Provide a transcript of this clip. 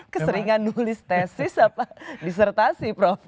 keseringan nulis tesis atau disertasi prof